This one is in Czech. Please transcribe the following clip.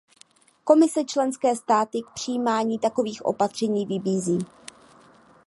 Komise členské státy k přijímání takovýchto opatření vybízí.